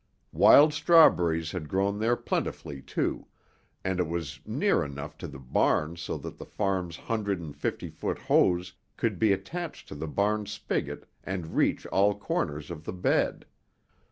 Wild strawberries had grown there plentifully, too, and it was near enough to the barn so that the farm's hundred and fifty foot hose could be attached to the barn spigot and reach all corners of the bed.